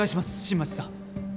新町さん